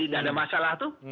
dan ada masalah itu